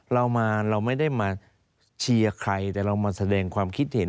เรามาเราไม่ได้มาเชียร์ใครแต่เรามาแสดงความคิดเห็น